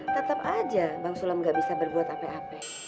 tetap aja bang sulam gak bisa berbuat ape apes